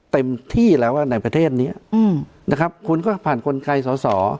เต็มที่แล้วในประเทศนี้นะครับคุณก็ผ่านกลไกสอสอ